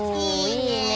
いいね！